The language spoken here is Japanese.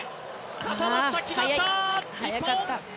固まった、決まった、日本！